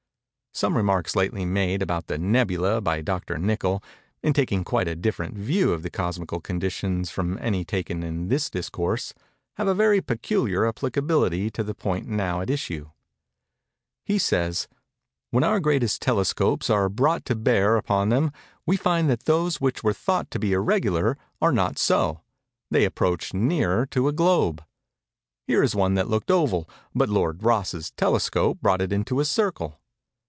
Some remarks lately made about the "nebulæ" by Dr. Nichol, in taking quite a different view of the cosmical conditions from any taken in this Discourse—have a very peculiar applicability to the point now at issue. He says: "When our greatest telescopes are brought to bear upon them, we find that those which were thought to be irregular, are not so; they approach nearer to a globe. Here is one that looked oval; but Lord Rosse's telescope brought it into a circle....